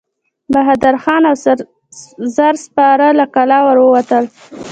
بهادر خان او زر سپاره له کلا ور ووتل.